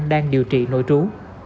đang điều trị nội trú